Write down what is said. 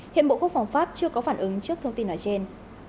hiện bộ quốc phòng pháp chưa có phản ứng trước thông tin nói trên